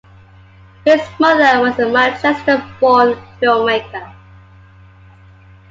His mother was a Manchester-born filmmaker.